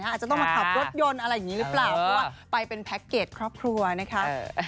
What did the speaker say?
อาจจะต้องมาขับรถยนต์อะไรอย่างนี้หรือเปล่าเพราะว่าไปเป็นแพ็คเกจครอบครัวนะคะ